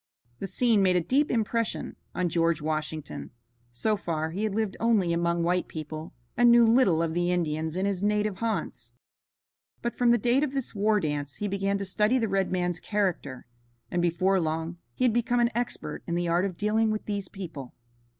The scene made a deep impression on George Washington. So far he had lived only among white people, and knew little of the Indian in his native haunts, but from the date of this war dance he began to study the red man's character, and before long he had become an expert in the art of dealing with these people.